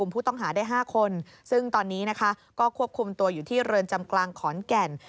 ผู้ต้องหาได้๕คนซึ่งตอนนี้นะคะก็ควบคุมตัวอยู่ที่เรือนจำกลางขอนแก่น